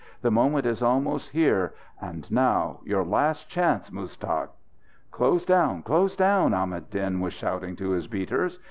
The moment is almost here. And now your last chance, Muztagh!" "Close down, close down!" Ahmad Din was shouting to his beaters.